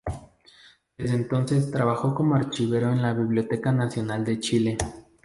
Desde entonces trabajó como archivero de la Biblioteca Nacional de Chile.